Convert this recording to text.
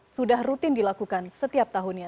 sudah rutin dilakukan setiap tahunnya